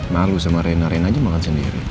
malu sama reina reina aja makan sendiri